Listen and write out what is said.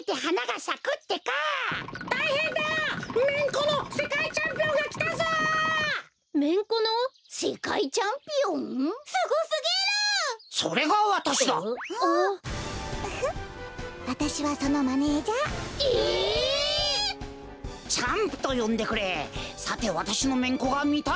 さてわたしのめんこがみたいか？